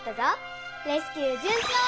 レスキューじゅんちょう！